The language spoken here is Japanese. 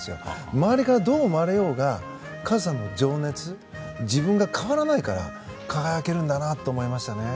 周りからどう思われようがカズさんの情熱自分が変わらないから輝けるんだなって思いましたね。